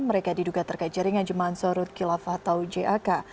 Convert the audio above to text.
mereka diduga terkajari dengan jemaah ansarud kilafah atau jak